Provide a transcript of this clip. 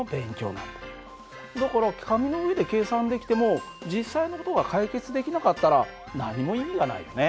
だから紙の上で計算できても実際の事が解決できなかったら何も意味がないよね。